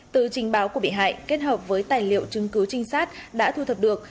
từ trình báo của bị hại kết hợp với tài liệu chứng cứ trinh sát đã thu thập được